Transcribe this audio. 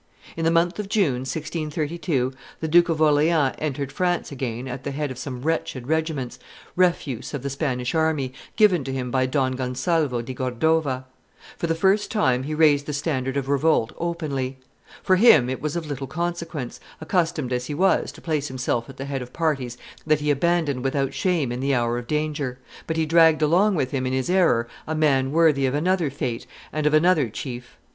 In the month of June, 1632, the Duke of Orleans entered France again at the head of some wretched regiments, refuse of the Spanish army, given to him by Don Gonzalvo di Cordova. For the first time, he raised the standard of revolt openly. For him it was of little consequence, accustomed as he was to place himself at the head of parties that he abandoned without shame in the hour of danger; but he dragged along with him in his error a man worthy of another fate and of another chief.